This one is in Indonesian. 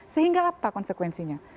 sehingga apa konsekuensinya